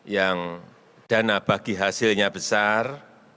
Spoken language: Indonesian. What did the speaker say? yang dana bagi hasilnya besar